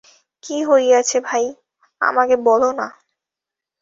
কী হইয়াছে ভাই, আমাকে বলো-না।